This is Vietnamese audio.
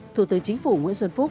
thủ tướng chính phủ nguyễn xuân phúc